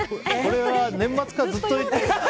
それは年末からずっと言ってる。